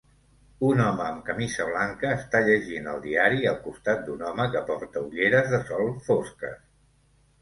Un home amb camisa blanca està llegint el diari al costat d'un home que porta ulleres de sol fosques.